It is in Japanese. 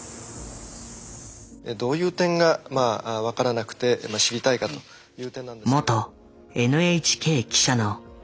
どういう点がまあ分からなくて知りたいかという点なんですけれど。